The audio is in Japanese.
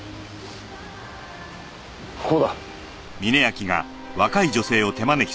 ここだ。